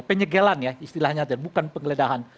penyegelan ya istilahnya dan bukan penggeledahan